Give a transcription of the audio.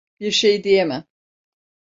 Bir şey diyemem.